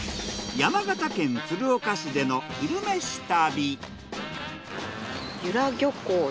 山形県鶴岡市での「昼めし旅」。